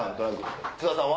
津田さんは？